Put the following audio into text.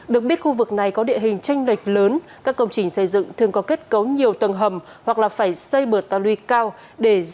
được biết khu vực này có địa hình tranh lệch lớn các công trình xây dựng thường có kết cấu nhiều tầng hầm hoặc phải xây bờ ta luy cao để gia cố địa hình